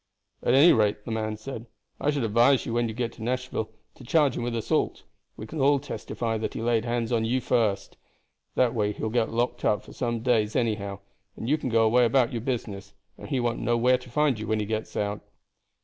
"At any rate," the man said, "I should advise you when you get to Nashville to charge him with assault. We can all testify that he laid hands on you first. That way he will get locked up for some days anyhow, and you can go away about your business, and he won't know where to find you when he gets out."